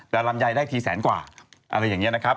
แต่ลำไยได้ทีแสนกว่าอะไรอย่างนี้นะครับ